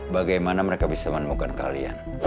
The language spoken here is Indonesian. bagaimana mereka bisa menemukan kalian